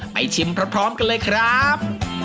ชิมพร้อมกันเลยครับ